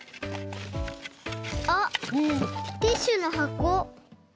あっティッシュのはこ。